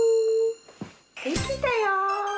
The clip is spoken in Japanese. できたよ。